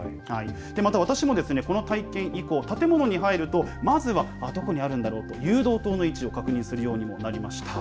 私もこの体験以降、建物に入るとまずはどこにあるんだろうと誘導灯の位置を確認するようになりました。